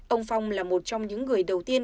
ông phong là một trong những người đầu tiên